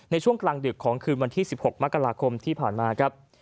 ในช่วงกลางดึกของคืนวันที่๑๖มกราคมที่ผ่านมาครับ